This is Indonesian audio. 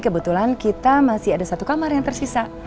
kebetulan kita masih ada satu kamar yang tersisa